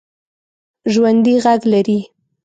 ژوندي غږ لري